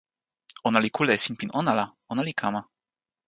ona li kule e sinpin ona la, ona li kama.